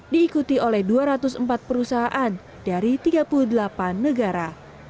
diikuti oleh dua ratus empat perusahaan dari tiga puluh delapan negara